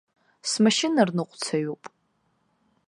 Смашьынарныҟәцаҩуп.